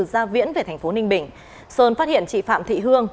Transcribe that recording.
gia viễn về tp ninh bình sơn phát hiện chị phạm thị hương